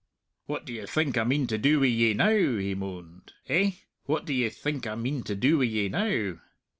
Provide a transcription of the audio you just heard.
"What do ye think I mean to do wi' ye now?" he moaned.... "Eh?... What do ye think I mean to do wi' ye now?"